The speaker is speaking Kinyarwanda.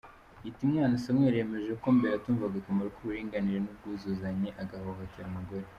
Hitimana Samuel yemeje ko mbere atumvaga akamaro k`uburinganire n`ubwuzuzanye, agahohotera umugore.